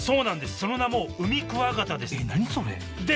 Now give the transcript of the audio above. その名もウミクワガタです